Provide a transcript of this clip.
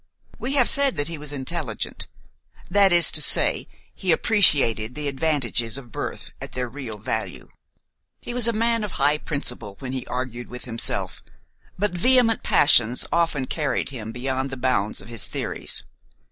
We have said that he was intelligent–that is to say, he appreciated the advantages of birth at their real value. He was a man of high principle when he argued with himself; but vehement passions often carried him beyond the bounds of his theories.